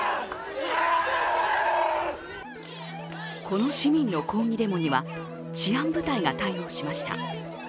この市民の抗議デモには治安部隊が対応しました。